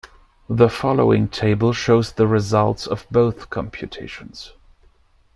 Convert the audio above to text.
The following table shows the results of both computations.